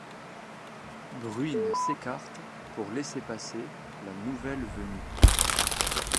Bruine s’écarte pour laisser passer la nouvelle venue.